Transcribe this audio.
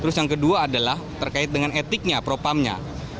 terus yang kedua adalah terkait dengan etiknya propamnya